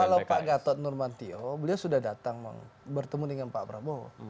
kalau pak gatot nurmantio beliau sudah datang bertemu dengan pak prabowo